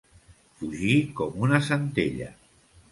Fugir com una centella.